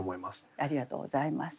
ありがとうございます。